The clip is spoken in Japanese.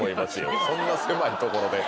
そんな狭いところで。